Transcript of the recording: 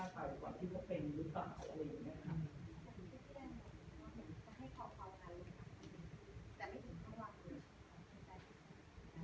ก็จะไปกว่าที่เขาเป็นหรือต่อเขาเองได้ครับ